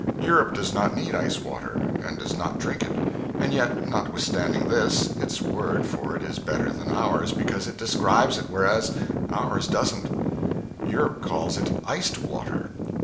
Europe does not need ice water, and does not drink it; and yet, notwithstanding this, its word for it is better than ours, because it describes it, whereas ours doesn't. Europe calls it "iced" water.